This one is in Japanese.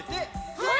はい！